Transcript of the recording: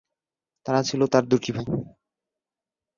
তারা ছিল তাঁর দুই ভাই।